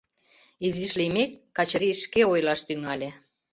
Изиш лиймек, Качырий шке ойлаш тӱҥале.